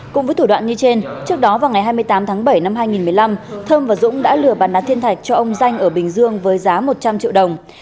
cùng với thủ đoạn như trên trước đó vào ngày hai mươi tám tháng bảy năm hai nghìn một mươi năm thơm và dũng đã lừa bàn đá thiên thạch cho ông danh ở bình dương với giá một trăm linh triệu đồng